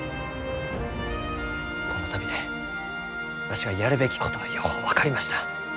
この旅でわしがやるべきことはよう分かりました。